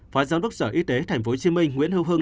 phó giám đốc sở y tế tp hcm nguyễn hữu hưng